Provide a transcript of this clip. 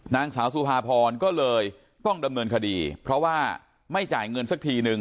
นางสาวสุภาพรก็เลยต้องดำเนินคดีเพราะว่าไม่จ่ายเงินสักทีนึง